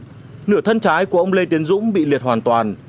nửa thân trái của ông lê tiến dũng bị liệt hoàn toàn